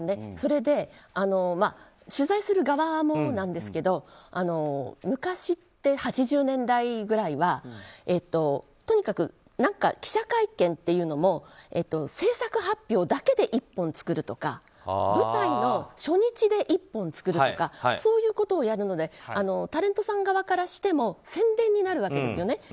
それで取材する側もなんですけど昔って８０年代ぐらいはとにかく何か記者会見というのも制作発表だけで１本作るとか舞台の初日で１本作るとかそういうことをやるのでタレントさん側からしても宣伝になるわけですよね。